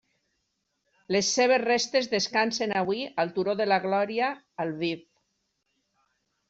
Les seves restes descansen avui al Turó de la Glòria a Lviv.